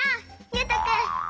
ゆうとくん！